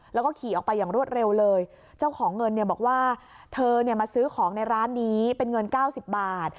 แล้วก็ขี่ออกไปอย่างรวดเร็วเลยเจ้าของเงินบอกว่าเธอมาซื้อของในร้านนี้เป็นเงิน๙๐บาท